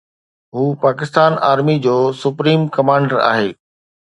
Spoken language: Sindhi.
هو پاڪستان آرمي جو سپريم ڪمانڊر آهي.